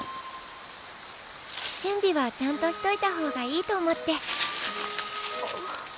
準備はちゃんとしといた方がいいと思って。